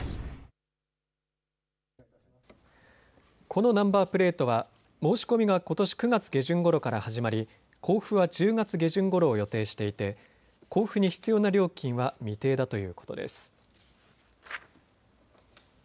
このナンバープレートは申し込みがことし９月下旬ごろから始まり、交付は１０月下旬ごろを予定していて交付に必要な料金は未定だということです。